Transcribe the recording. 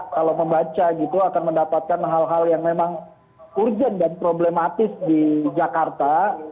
kalau membaca gitu akan mendapatkan hal hal yang memang urgent dan problematis di jakarta